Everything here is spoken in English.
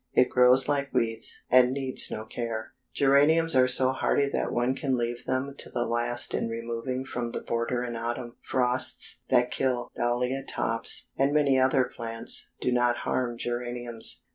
It grows like weeds, and needs no care." Geraniums are so hardy that one can leave them to the last in removing from the border in autumn. Frosts that kill Dahlia tops, and many other plants, do not harm geraniums.